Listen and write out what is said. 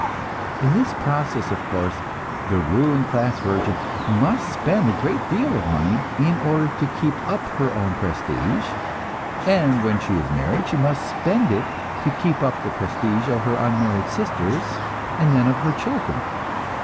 In this process, of course, the ruling class virgin must spend a great deal of money in order to keep up her own prestige; and when she is married, she must spend it to keep up the prestige of her unmarried sisters, and then of her children.